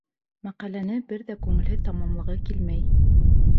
Мәҡәләне бер ҙә күңелһеҙ тамамлағы килмәй.